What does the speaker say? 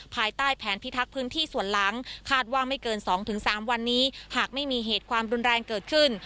ภายใต้แผนพิทักษ์พื้นที่ส่วนหลังคาดว่าไม่เกิน๒๓วันนี้หากไม่มีเหตุความรุนแรงเกิดขึ้น